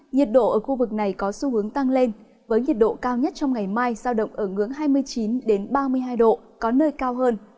nhiệt độ ở khu vực này có xu hướng tăng lên với nhiệt độ cao nhất trong ngày mai giao động ở ngưỡng hai mươi chín ba mươi hai độ có nơi cao hơn